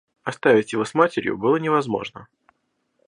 Оставить его с матерью было невозможно.